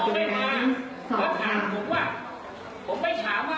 เอ้าแล้วทำไมคุณเว้ยประสานงานกับแค่จะมาไม่มา